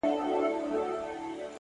لوړ هدفونه لویې قربانۍ غواړي،